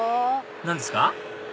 何ですか？